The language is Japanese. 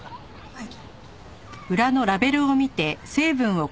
はい。